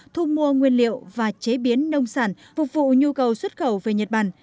thu mua nguyên liệu và chế biến nông sản phục vụ nhu cầu xuất khẩu về nhật bản